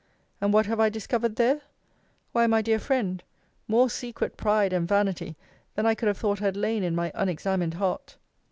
And what have I discovered there? Why, my dear friend, more secret pride and vanity than I could have thought had lain in my unexamined heart.